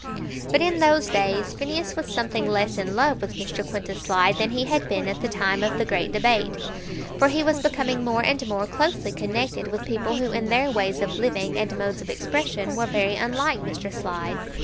But in those days Phineas was something less in love with Mr. Quintus Slide than he had been at the time of the great debate, for he was becoming more and more closely connected with people who in their ways of living and modes of expression were very unlike Mr. Slide.